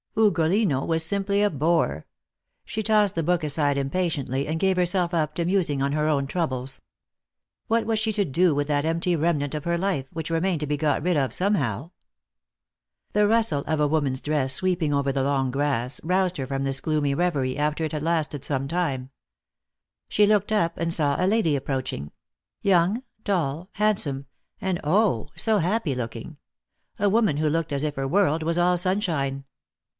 Ugolino was simply a bore. She tossed the book aside impatiently, and gave herself up to musing on her own troubles. What was she to do with that empty remnant of her life, which remained to be got rid of somehow ? The rustle of a woman's dress sweeping over the long grass roused her from this gloomy reverie, after it had lasted some time. She looked up, and saw a lady approaching ; young, tall, hand some, and 0, so happy looking — a woman who looked as if her world was all sunshine.